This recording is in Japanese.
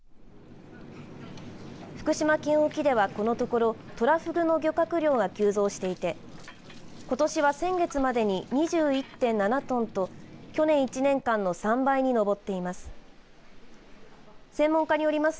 福島県沖では、このところトラフグの漁獲量が急増していてことしは先月までに２１．７トンと去年１年間の３倍に上っています。